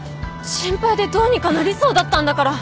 心配でどうにかなりそうだったんだから！